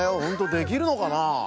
ほんとできるのかなあ？